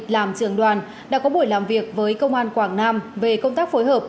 làm trường đoàn đã có buổi làm việc với công an quảng nam về công tác phối hợp